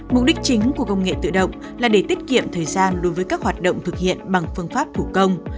mục đích chính của công nghệ tự động là để tiết kiệm thời gian đối với các hoạt động thực hiện bằng phương pháp thủ công